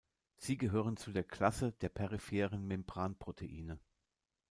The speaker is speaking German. Sie gehören zu der Klasse der peripheren Membranproteine.